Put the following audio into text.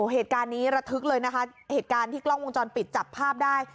เหตุการณ์นี้ระทึกเลยนะคะเหตุการณ์ที่กล้องวงจรปิดจับภาพได้